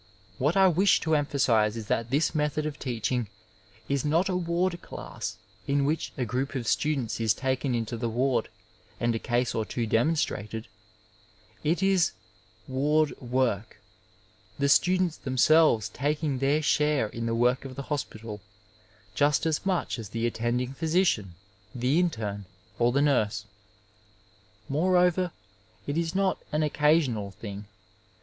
What I wish to emphasize is that this method of teaching is not a ward class in which a group of students is taken into the ward and a case or two demonstrated ; it is ward worky the students themselves taking their share in the work of the hospital, just as much as the attending physician, the interne^ or the nurse. Moreover, it is not an occasional thing.